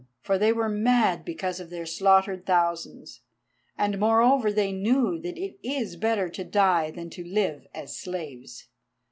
For they were mad because of their slaughtered thousands, and moreover they knew that it is better to die than to live as slaves.